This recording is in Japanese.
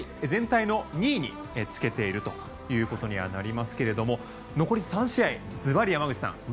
全体の２位につけているということにはなりますが残り３試合、ずばり山口さん